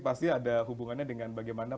pasti ada hubungannya dengan bagaimana